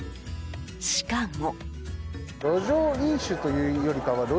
しかも。